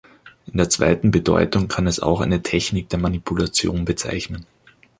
In der zweiten Bedeutung kann es auch eine Technik der Manipulation bezeichnen.